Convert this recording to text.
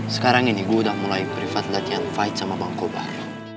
sekarang ini gue udah mulai privat latihan fight sama bang kobar